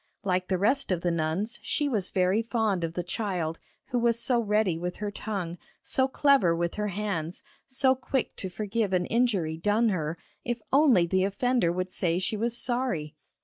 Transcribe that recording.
Like the rest of the nuns she was very fond of the child who was so ready with her tongue, so clever with her hands, so quick to forgive an injury done her, if only the offender would say she was sorry!